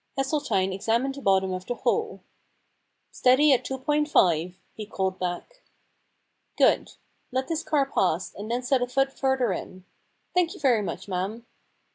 Hesseltine examined the bottom of the hole. * Steady at two point five,' he called back. .* Good. Let this car past, and then set a foot further in. Thank you very much, madam.'